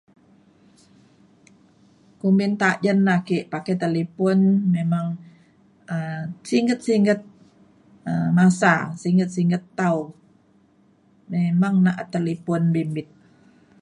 kumbin tajen ake pakai talipon memang um singget singget um masa singget singget tau. memang na’at talipon bimbit.